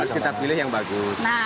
terus kita pilih yang bagus